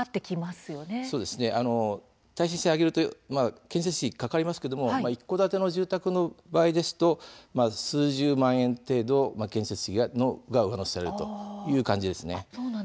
耐震性を上げると建設費がかかりますけれども一戸建ての住宅ですと数十万円程度の建設費が上乗せされるということなんです。